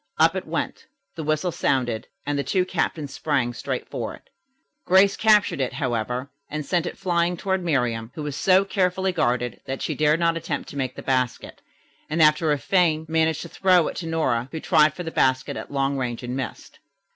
Up it went, the whistle sounded and the two captains sprang straight for it. Grace captured it, however, and sent it flying toward Miriam, who was so carefully guarded that she dared not attempt to make the basket, and after a feint managed to throw it to Nora, who tried for the basket at long range and missed.